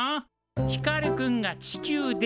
ひかるくんが地球で。